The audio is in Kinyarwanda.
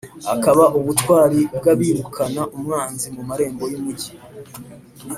akaba ubutwari bw’abirukana umwanzi mu marembo y’umugi.